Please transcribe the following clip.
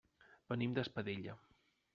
Venim d'Espadella.